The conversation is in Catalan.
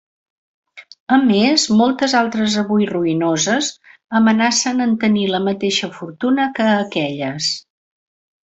A més moltes altres avui ruïnoses amenacen en tenir la mateixa fortuna que aquelles.